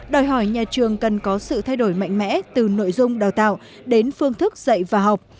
đòi hỏi nhà trường cần có sự thay đổi mạnh mẽ từ nội dung đào tạo đến phương thức dạy và học